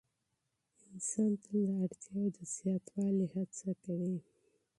انسان تل د اړتیاوو د زیاتوالي هڅه کوي.